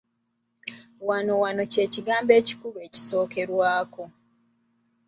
Wonna wonna kye kigambo ekikulu ekisookerwako.